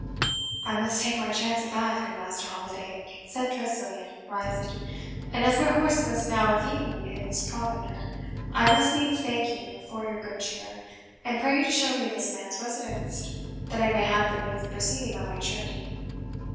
"I must take my chance of that, good Master Holiday," said Tressilian, rising; "and as my horse must now have eaten his provender, I must needs thank you for your good cheer, and pray you to show me this man's residence, that I may have the means of proceeding on my journey."